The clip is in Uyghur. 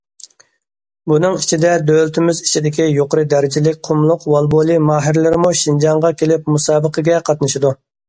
بۇنىڭ ئىچىدە، دۆلىتىمىز ئىچىدىكى يۇقىرى دەرىجىلىك قۇملۇق ۋالىبولى ماھىرلىرىمۇ شىنجاڭغا كېلىپ مۇسابىقىگە قاتنىشىدۇ.